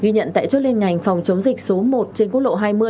ghi nhận tại chốt liên ngành phòng chống dịch số một trên quốc lộ hai mươi